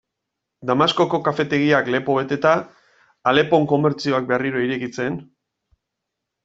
Damaskoko kafetegiak lepo beteta, Alepon komertzioak berriro irekitzen...